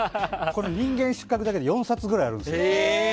「人間失格」だけで４冊ぐらいあるんですよ。